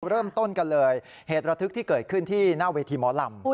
เริ่มต้นกันเลยเหตุระทึกที่เกิดขึ้นที่หน้าเวทีหมอลำ